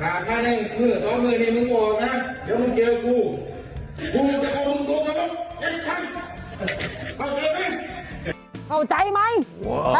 ถ้าใครนั้นมึงก็ออกนะเดี๋ยวมึงเจอกูกูจะโกรธมึงโกรธยังไม่ทำออกจากนั้นเลย